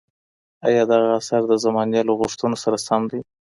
آیا دغه اثر د زمانې له غوښتنو سره سم دئ؟